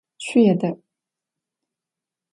ШъуедэIу!